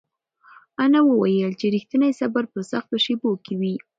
انا وویل چې رښتینی صبر په سختو شېبو کې وي.